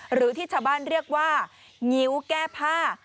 หรือที่ชาวบ้านเรียกว่างิ้วแก้ผ้า